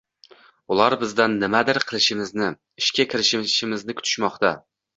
Ular bizdan nimadir qilishimizni, ishga kirishishimizni kutishmoqda